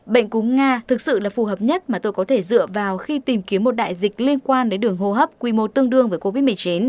bệnh cúng nga thực sự là phù hợp nhất mà tôi có thể dựa vào khi tìm kiếm một đại dịch liên quan đến đường hô hấp quy mô tương đương với covid một mươi chín